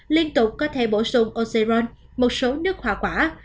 liên tục có thể bổ sung oxyron một số nước hỏa quả